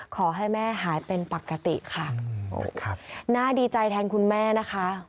ขอให้แม่หายเป็นปกติค่ะน่าดีใจแทนคุณแม่นะคะ